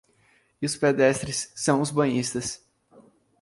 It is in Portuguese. E os pedestres são os banhistas